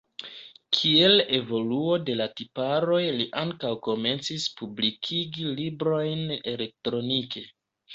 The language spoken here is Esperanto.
Kiel evoluo de la tiparoj li ankaŭ komencis publikigi librojn elektronike.